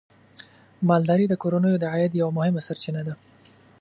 مالداري د کورنیو د عاید یوه مهمه سرچینه ده.